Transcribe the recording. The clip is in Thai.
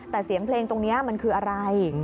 แต่เสียงเพลงตรงนี้มันคืออะไร